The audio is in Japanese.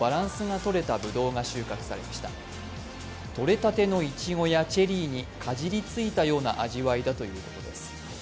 とれたてのいちごやチェリーにかじりついたような味わいだということです。